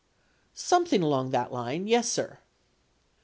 Something along that line. Yes sir.